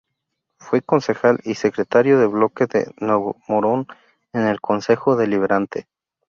Fue concejal y secretario de Bloque de Nuevo Morón en el Concejo Deliberante.